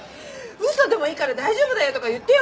嘘でもいいから大丈夫だよとか言ってよ！